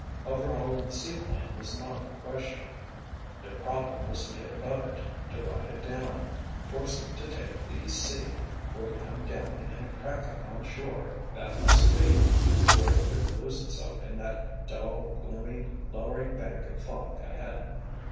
Overhauling the seaplane was not the question. Their problem was to get above it, to ride it down, force it to take the sea or to come down in a crackup on shore if that must be—before it could lose itself in that dull, gloomy, lowering bank of fog ahead.